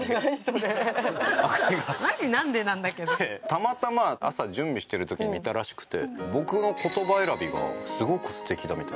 たまたま朝準備してる時に見たらしくて僕の言葉選びがすごく素敵だみたいな。